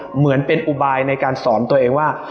เหมือนเป็นอุบายในการสอนตัวเองว่า